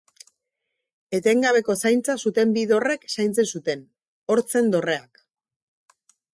Etengabeko zaintza zuten bi dorrek zaintzen zuten: Hortzen Dorreak.